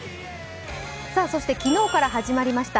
昨日から始まりました